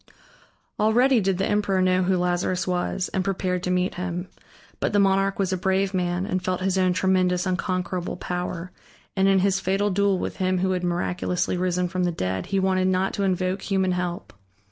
Already did the emperor know who Lazarus was, and prepared to meet him. But the monarch was a brave man, and felt his own tremendous, unconquerable power, and in his fatal duel with him who had miraculously risen from the dead he wanted not to invoke human help.